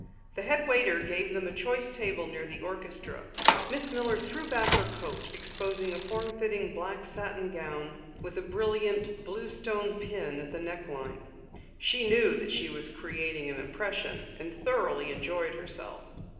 The head waiter gave them a choice table near the orchestra. Miss Miller threw back her coat, exposing a form fitting black satin gown with a brilliant blue stone pin at the neck line. She knew that she was creating an impression and thoroughly enjoyed herself.